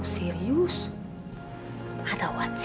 serius ada what sih